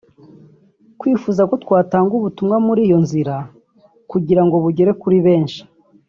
twifuza ko twatanga ubutumwa muri iyo nzira kugira ngo bugere kuri benshi”